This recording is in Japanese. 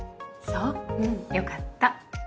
そう良かった。